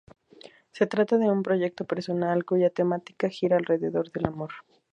Se trata de un proyecto personal cuya temática gira alrededor del amor.